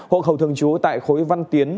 hộ khẩu thường chú tại khối văn tiến